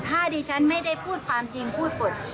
ถ้าดิฉันไม่ได้พูดความจริงพูดบท